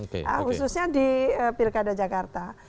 khususnya di pilkada jakarta